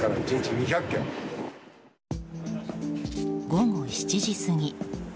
午後７時過ぎ。